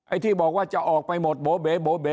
ไอ้ที่บอกว่าจะออกไปหมดโบ๋เบ๋โบ๋เบ๋